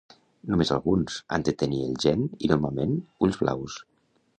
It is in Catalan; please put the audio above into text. Només alguns, han de tenir el gen i normalment ulls blaus